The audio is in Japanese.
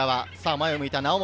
前を向いた、猶本。